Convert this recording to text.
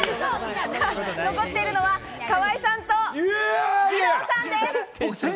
残っているのは、河井さんと義堂さんです。